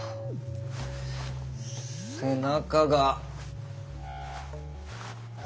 背中が。え？